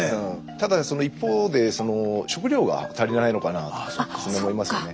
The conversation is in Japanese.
ただその一方で食料が足りないのかなと思いますよね。